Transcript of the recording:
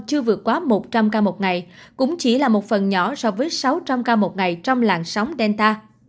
chưa vượt quá một trăm linh ca một ngày cũng chỉ là một phần nhỏ so với sáu trăm linh ca một ngày trong làng sóng delta